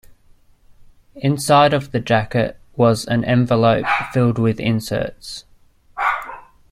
Inside of the jacket was an envelope filled with inserts.